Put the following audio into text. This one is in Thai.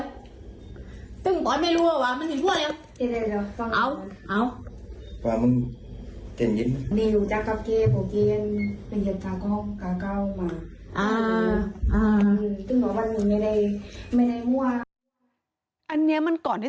จนถึงขั้นที่คุณฟ้าเสียชีวิตค่ะ